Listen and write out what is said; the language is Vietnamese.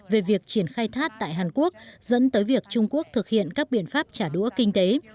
về việc triển khai thác tại hàn quốc dẫn tới việc trung quốc thực hiện các biện pháp trả đũa kinh tế